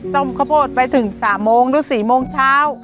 ต้มข้าวโพดไปถึง๓โมงหรือ๔โมงเช้า